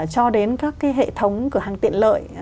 cho đến các cái hệ thống cửa hàng tiện lợi